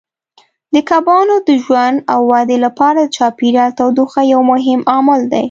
د کبانو د ژوند او ودې لپاره د چاپیریال تودوخه یو مهم عامل دی.